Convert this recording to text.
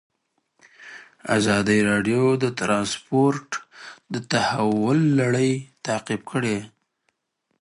ازادي راډیو د ترانسپورټ د تحول لړۍ تعقیب کړې.